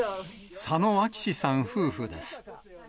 佐野明士さん夫婦です。